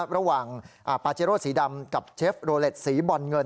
ระหว่างปาเจโร่สีดำกับเชฟโรเล็ตสีบอลเงิน